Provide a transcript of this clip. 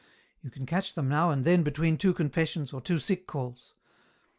You can catch them now and then between two confessions or two sick calls.